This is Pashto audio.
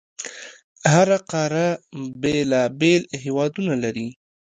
هره قاره بېلابېل هیوادونه لري.